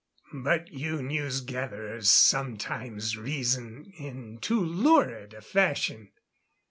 But you news gatherers sometimes reason in too lurid a fashion.